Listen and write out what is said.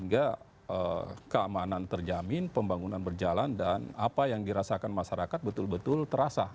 jadi kita keamanan terjamin pembangunan berjalan dan apa yang dirasakan masyarakat betul betul terasa